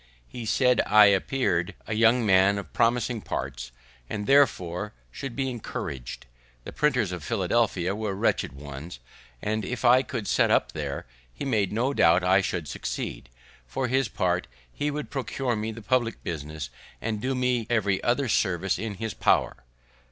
He said I appear'd a young man of promising parts, and therefore should be encouraged; the printers at Philadelphia were wretched ones; and, if I would set up there, he made no doubt I should succeed; for his part, he would procure me the public business, and do me every other service in his power.